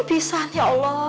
pisan ya allah